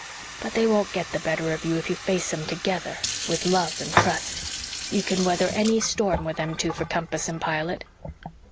But they won't get the better of you if you face 'em TOGETHER with love and trust. You can weather any storm with them two for compass and pilot."